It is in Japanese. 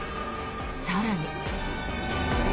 更に。